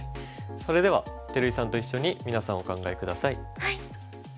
それでは照井さんと一緒に皆さんお考え下さい。